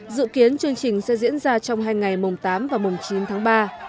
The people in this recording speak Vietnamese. dự kiến chương trình sẽ diễn ra trong hai ngày mùng tám và mùng chín tháng ba